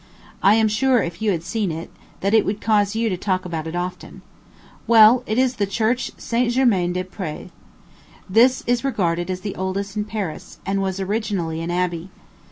I am sure, if you had seen it, that it would cause you to talk about it often. Well, it is the Church St. Germain des Pres. This is regarded as the oldest in Paris, and was originally an abbey.